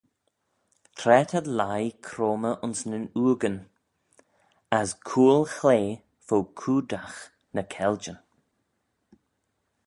Tra t'ad lhie croymmey ayns nyn ooigyn, as cooyl-chlea fo coodagh ny keylljyn?